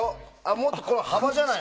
もっと幅じゃないの？